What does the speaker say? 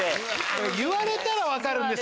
言われたら分かるんです。